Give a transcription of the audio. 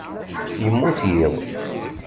Yemmut yiḍ.